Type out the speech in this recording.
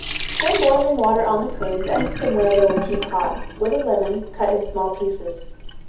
_ Pour boiling water on the prunes, and set them where they will keep hot, with a lemon, cut in small pieces.